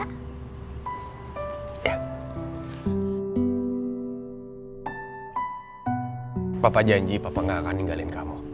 iya papa janji papa nggak akan ninggalin kamu